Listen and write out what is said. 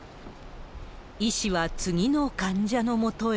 医師は次の患者のもとへ。